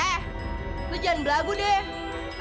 eh lo jangan berlagu deh